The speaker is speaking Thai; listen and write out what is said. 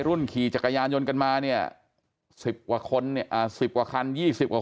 รุ่นขี่จักรยานยนต์กันมาเนี่ย๑๐กว่าคนเนี่ย๑๐กว่าคัน๒๐กว่า